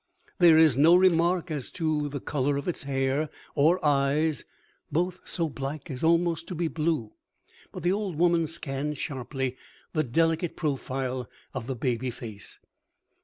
There is no remark as to the color of its hair or eyes, both so black as almost to be blue, but the old woman scans sharply the delicate profile of the baby face.